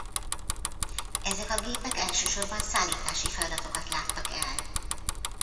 Ezek a gépek elsősorban szállítási feladatokat láttak el.